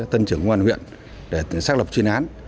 tân trưởng quân huyện để xác lập chuyên án